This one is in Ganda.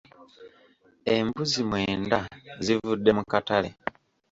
Embuzi mwenda zivudde mu katale.